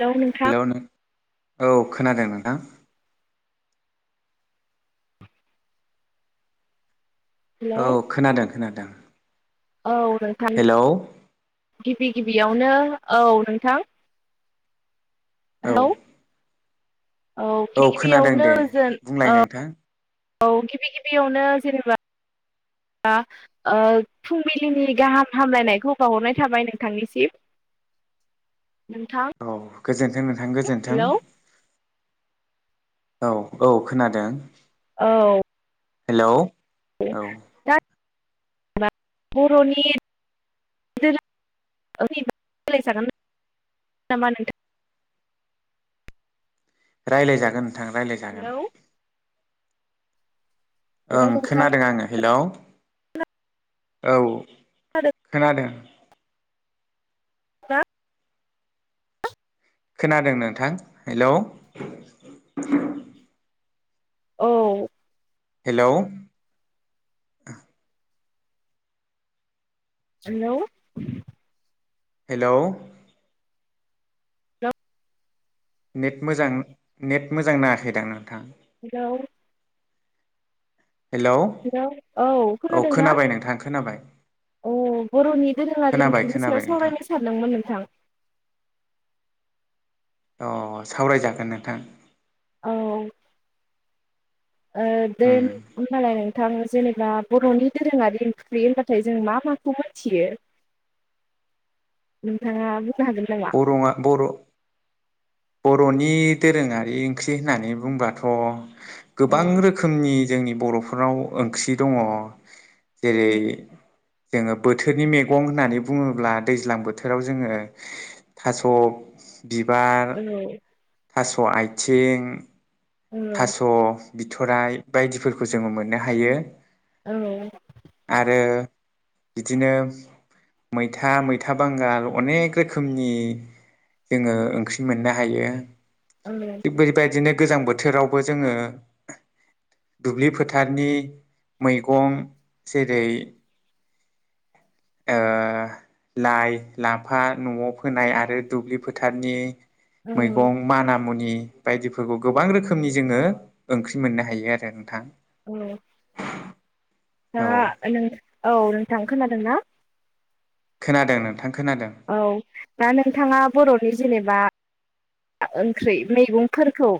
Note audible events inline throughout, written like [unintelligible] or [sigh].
Hello नोंथां औ खोनादों नोंथां हेलौ औ खोनादों खोनादों औ नोंथां हेलौ गिबि गिबियावनो औ नोंथां औ हेलौ औ गि खोनादों गिबियावनो दे जेन बुंलाय ओ नोंथां औ गिबि गिबियावनो जेनेबा ओ फुंबिलिनि गाहाम हामलायनायखौ बावहरनाय थाबाय नोंथांनिसिम नोंथां औ गोजोन्थों नोंथां गोजोन्थों हेलौ औ औ खोनादों औ हेलौ औ [unintelligible] रायलाय जागोन नोंथां रायलाय हेलौ जागोन ओं हेलौ नोंथां खोनादों आङो हेलौ। औ। खोनादों। मा? खोनादों नोंथां हेलौ? औ। हेल'। हेल'। हेल'। नेट मोजां नेट मोजां नाङाखैदां नोंथां। हेलौ। हेलौ हेल' औ खोनादों ना खोनाबाय नोंथां खोनाबाय औ बर'नि दोरोङारि खोनाबाय ओंख्रिनि खोनाबाय सायाव नोंथां सावरायनो सानदोंमोन नोंथां। अ सावरायजागोन नोंथां। औ। ओ दे उम ओमबालाय नों नोंथां जेनेबा बर'नि दोरोङारि ओंख्रि होनबाथाय जों मा माखौ मोनथियो नोंथाङा हागोन नामा? बर'आ बर' बर'नि दोरोङारि ओंख्रि होननानै बुंबाथ' औ गोबां रोखोमनि जोंनि बर'फोराव ओंख्रि दङ जेरै जोङो बोथोरनि मैगं होननानै बुङोब्ला दैज्लां बोथोराव जोङो थास' बिबार औ थास' आथिं औ थास' बिथराइ बायदिफोरखौ जोङो मोननो हायो औ आरो बिदिनो मैथा मैथा बांगाल अनेक रोखोमनि जोङो ओंख्रि मोननो हायो औ [inaudible] [inaudible] गोजां बोथोर बोथोरावबो जोङो दुब्लि फोथारनि मैगं जेरै लाइ लाफा न'आव फोनाय आरो दुब्लि फोथारनि औ मैगं मानामुनि बायदिफोरखौ गोबां रोखोम रोखोमनि जोङो ओंख्रि मोननो हायो आरो नोंथां औ दा औ नोंथाङा औ नोंथां खोनादों ना खोनादों नोंथां खोनादों औ दा नोंथाङा बर'नि जेनेबा ओंख्रि मैगंफोरखौ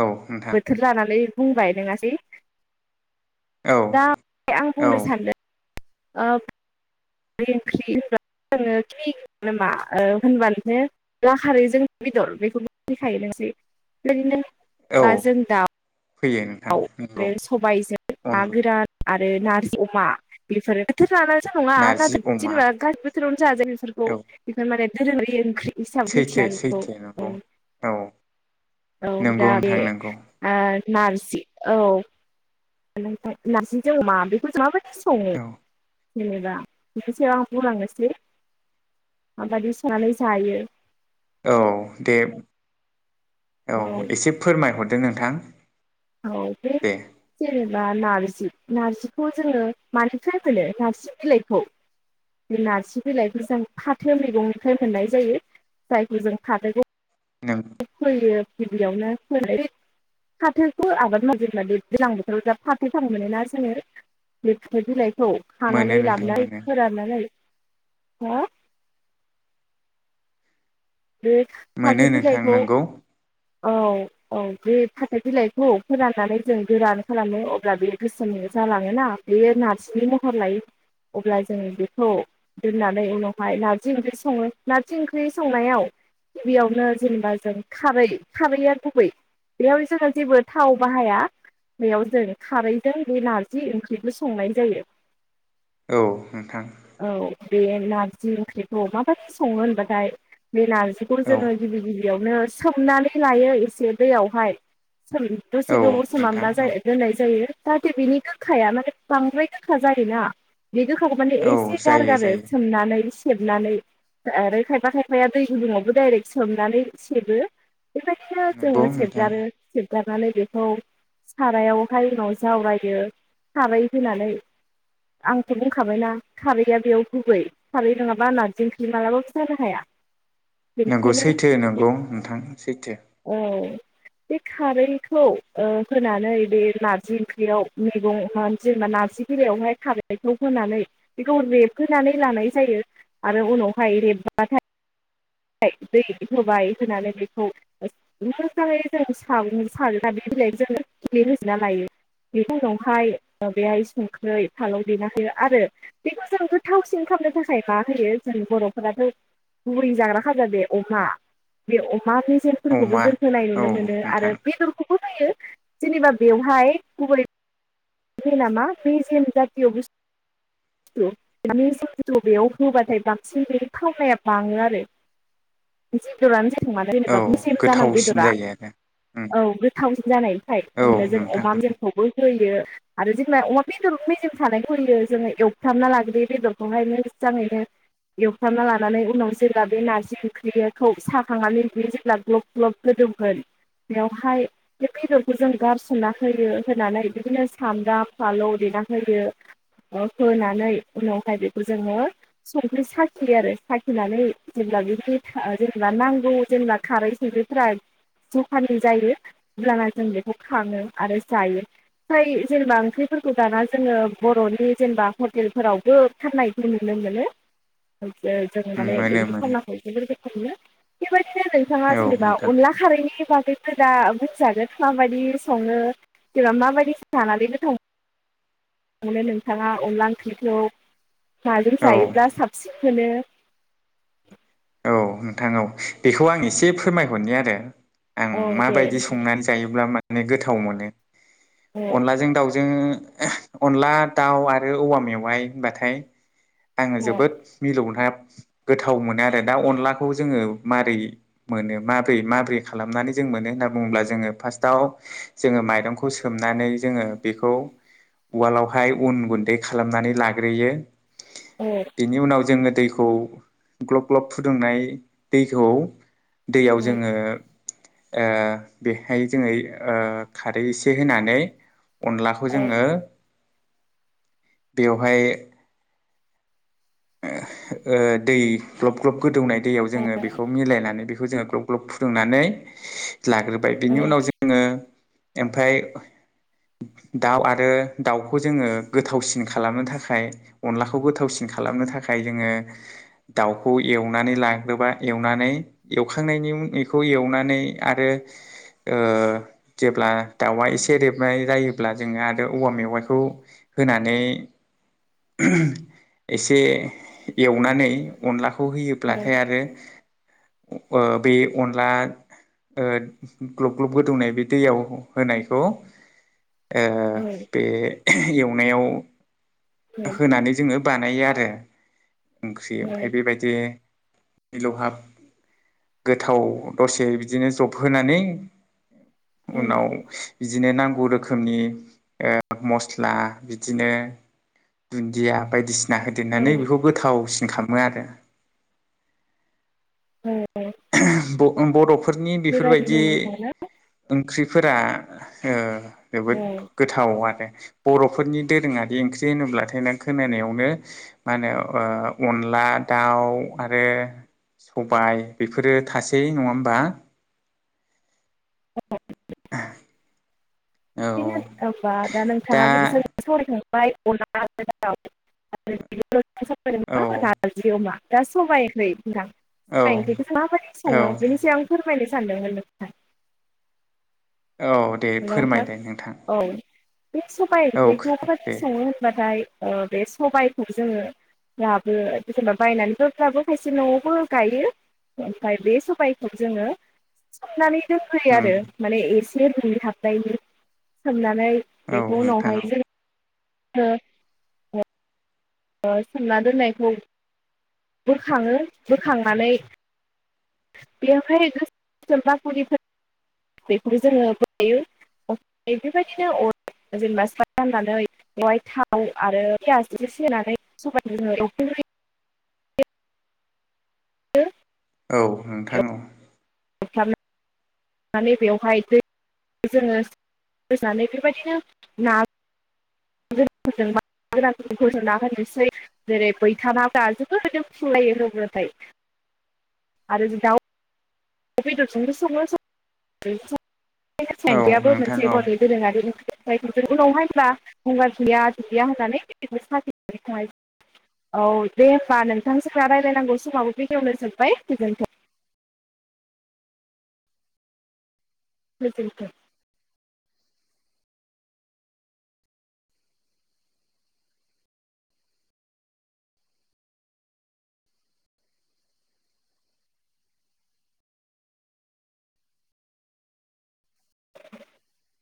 औ नोंथां बोथोर लानानै बुंबाय लेङासै। औ दा आं औ बुंनो सानदों ओ बे ओंख्रि होनबानो खि नामा होनबानो अनला खारैजों बेदर बेफोरबो होखायो मोनसे [inaudible] औ अनलाजों फैयो नोंथां दाउ नंगौ आरो सबायजों अन ना गोरान आरो नार्जि अमा बेफोरो [inaudible] नङा नारजि अमा जेनेबा गासिबो बोथोरावनो जाजायो बेफोरखौ औ माने [inaudible] ओंख्रि हिसाबै मिथियो सैथो आं बेखौ सैथो नंगौ औ औ नंगौ दा बे नोंथां नंगौ आ नार्ज जि औ। नाराजिजों अमा [inaudible] संङो? औ जेनेबा बेनि सायाव आं बुंलांनोसै माबायदि सोनानै जायो। औ दे। औ एसे फोरमायहर। दो नोंथां। औ दे। बा नार्जि नार्जिखौ जोङो मानिफ्राय मोनो नारजि बिलाइखौ बे नारजि बिलाइखौ जों फाथो मैगंनिफ्राय मोननाय जायो जायखौ जों फाथोखौ नों फोयो गिबियावनो फ फाथोखौ आबाद मावबा दैज्लां बोथोराव जा फाथो फां मोनोना जोङो बे फाथो बिलाइखौ औ मोनो खानानै नोंथां लाबनानै मोनो फोराननानै हा? बे मोनो फाथो नोंथां बिलाइखौ नोंगौ औ औ बे फाथो बिलाइखौ फोराननानै जों गोरान खालामो अब्ला बे गोसोम जालाङोना बेयो नारजिनि महर लायो अब्ला जों बेखौ दोननानै उनावहाय नारजि ओंख्रि सङो नारजि ओंख्रि संनायाव गिबियावनो जेनेबा जों खारै खारैआ गुबै बेयाव जोङो जेबो थाव बाहाया बेयाव जों खारैजों बे नारजि ओंख्रिबो संनाय जायो। औ नोंथां। औ बे नारजि ओंख्रिखौ माबायदि सङो होनबाथाय? बे नारजिखौ औ जोङो गिबि गिबि बेयावनो सोमनानै लायो एसे दैयावहाय सोम दसे औ गोबाव नोंथां सोमामना औ दोननाय जायो। जाहाथे बिनि गोखाया माने बांद्राय गोखा जायोना बे गोखाखौ माने एसे औ जायो गारगारो जायो सोमनानै सेबनानै आरो खायफा खाय फाया दै गुदुङावबो डाइरेक्ट सोमनानै सेबो बेबाय दिनो जोङो नंगौ नोंथां सेबगारो सेब लानानै बेखौ सारायावहाय उनाव जावरायदो खारै होनानै आंथ' बुंखाबायना खारैया बेयाव गुबै खारै नङाबा नारजि ओंख्रि मालाबाबो जानो हाया। नंगौ बेनिखायनो सैथो नंगौ नोंथां सैथो। औ बे खारैखौ ओ होनानै बे नार्जि ओंख्रियाव मैगं जेनेबा नार्जि बिलायावहाय खारैखौ होनानै बेखौ रेबहोनानै लानाय जायो आरो उनावहाय रेबबाथाय थाय दै होबाय होनानै बेखौ मोजाङै जों सागं सारना बे बिलाइ जों थुलि होजना लायो बे उनावहाय बेहाय संख्रि फालौ देना होयो आरो बेखौ जों गोथावसिन खालामनो थाखाय मा होयो जों बर'फोराथ' गुबै जाग्रा [unintelligible] अमा बे अमा फोरखौबो अमा जों होनाय औ नुनो मोनो नोंथां आरो बेदरखौ होयो जेनेबा बेवहाय गुबै बिनामा मेजेम जाथिय बुस थु बिनि जिहेथु बेयाव होबाथाय बांसिन बेनि थावनाया बाङो आरो जिथुरानो ज या मानो औ जेनेबा मेजेम जानांगो गोथावसिन बेदरा जायो आरो उम औ गोथावसिन जानायनिखाय औ ओमब्ला जों नोंथां अमा मेजेमखौबो होयो। आरो जोंना अमा बेदर मेजेम थानायानायखौैयो जोङो एवथाबना लाग्रदयो बेदरखौहाय मोजाङैनो एवथाबना लानानै उनाव जेब्ला बे नार्जि ओंख्रिखौ साखांनानै ओंयो जेब्ला ग्लब-ग्लब होदोंमोन बेवहाय बे बेदरखौ जों गारसनना होयो होनानै बिदिनो सामब्राम फालौ देना होयो। होनानै उनावहाय बेखौ जोङो संख्रि साखियो आरो साखिनानै जेब्ला बेनि जेनेबा नांगौ जेनेबा खारै संख्रिफोरा जखानि जायो अब्लाना जों बेखौ खाङो आरो जायो फ्राय जेनेबा ओंख्रिफोरखौ दाना जोङो बर'नि जेनेबा हटेलफोरावबो खारनायखौ नुनो मोनो। जों उम माने मोनो [unintelligible] मोनो फलाखौ [unintelligible] बेबा दिनो नोंथाङा औ जेनेबा नोंथां अनला खारैनि बाग ऐबो दा बुंजागोन माबायदि सङो जेनबा माबायदि जानानै गोथाव‌ मोनो नोंथाङा अनलाां ओंख्रिखौ माजों औ जायोब्ला साबसिन मोनो। औ नोंथां औ बेखौ आं एसे फोरमायहरनि आरो। आं औ दे माबायदि संनानै जायोब्ला म ने गोथाव मोनो। औ अनलाजों दाउ जों अनला दाउ आरो औवा मेवाइ होनबाथाय आङो औ जोबोद मिलौनहाब गोथाव मोनो आरो दा अनलाखौ जोङो माबोरै मोनो माब्रै-माब्रै खालामनानै जों मोनो होनना बुङोब्ला जोङो फार्स्टआव जोङो माइरंखौ सोमनानै जोङो बेखौ उवालावहाय उन गुन्दै खालामनानै लाग्रोयो। औ बेनि उनाव जोङो दैखौ ग्लब ग्लब फुदुंनाय दैखौ औ दैयाव जोङो ओ बेहाय जोङो ओ खारै एसे होनानै अनलाखौ औ जोङो बेवहाय ओ दै ग्लब ग्लब गोदौनाय दैयाव जोङो बेखौ मिलायनानै बे बेखौ जोङो ग्लब ग्लब फुदुंनानै लाग्रोबाय बिनि उनाव जोङो ओमफाय दाउ आरो दाउखौ जोङो गोथावसिन खालामनो थाखाय अनलाखौ गोथावसिन खालाम खालामनो थाखाय जोङो दाउखौ एवनानै लाग्रोबा एवनानै एवखांनायनि बेखौ एवनानै आरो ओ जेब्ला दाउआ एसे रेबनाय जायोब्ला जोङो आरो औवा मेवाइखौ होनानै एसे एवनानै अनलाखौ खौ होयोब्लाथाय आरो बे अनला ओ ग्लब ग्लब गोदौनाय बे दैयाव होनायखौ ओ औ बे एवनायाव होनानै जोङो [unintelligible] आरो ओंख्रि औ ओमफाय बेबायदि मिलौहाब गोथाव दसे बिदिनो जब होनानै उनाव बिदिनो नांगौ रोखोमनि ओ मस्ला बिदिनो दुन्दिया बायदिसि ना औ होदेरनानै बेखौ गोथाव खामो आरो ओम ब' बड'फ फोरनि बेबायदिनो बेफोरबायदि नोंथांना ओंख्रिफोरा ओ औ जोबोद गोथाव आरो बर'फोरनि दोरोङारि ओंख्रि होनोब्लाथाय नों खोनानायावनो मा होनो ओ अनला दाउ आरो सबाय बेफोरो थासै नङा होमबा औ बा दा नोंथाङा बिसोर साव [unintelligible] ओमफाय [unintelligible] [unintelligible] औ नारजि अमा दा सबायखै औ [unintelligible] ओंख्रिखौ माबायदि औ सङो बेनि सायाव आं फोरमायनोसै सानदोंमोन नोंथां औ दे फोरमायदो नोंथां। औ बे सबाय औ ओंख्रिखौ दे [unintelligible] सङो होनबाथाय ओ बे सबायखौ जोङो दाबो जेनेबा बायनानैफोरफ्राबो खायसे न'आवबो गायो, ओमफाय बे सबायखौ जोङो सोमनानै [unintelligible] उम आरो माने एसे [unintelligible] [unintelligible] सोमना नै औ बेखौ नोंथां उनावहाय औ जों ओ [unintelligible] ओ सोमना दोननायखौ [inaudible] बोखाङो बोखांनानै बेवहाय गोससोम बाखलि बेखौ जोङो [unintelligible] बेबायदिनो [unintelligible] जेनेबा सा राननानै बेवहाय थाव आरो पियास एसे सोनानै सबायखौ जोङो [unintelligible] [unintelligible] [unintelligible] औ नोंथां औ फ्राम नानै बेवहाय दै [inaudible] जोङो [unintelligible] बेबायदिनो ना [unintelligible] जेरै [unintelligible] आरो दाव बेदरजोंबो सङो सं [unintelligible] बे औ सान्द्रियाबो नोंथां मोनसे औ बर'नि दोरोङारि [unintelligible] [unintelligible] उनावहाय होनब्ला गंगार गैया [unintelligible] होननानै [unintelligible] औ दे होनबा नोंथां जोंना रायलायनांगौ समाबो बेखिनिआवनो जोबबाय गोजोनथों। गोजोन्थों। [inaudible]